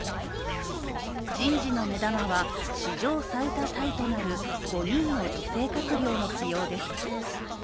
人事の目玉は史上最多タイとなる５人の女性閣僚の起用です。